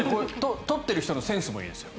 撮っている人のセンスもいいですよ。